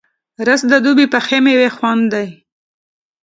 رس د دوبی پخې میوې خوند دی